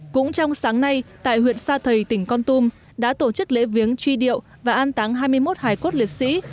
cũng trong sáng nay tại huyện sa thầy tỉnh con tum đã tổ chức lễ viếng truy điệu và an táng hai mươi một hải cốt liệt sĩ